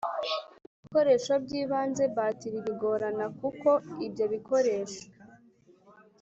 ibikoresho by ibanze batteries bigorana kuko ibyo bikoresho